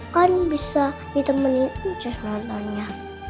kan bisa kita menikmati cek nontonnya